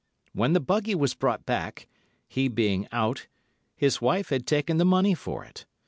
When the buggy was brought back, he being out, his wife had taken the money for it.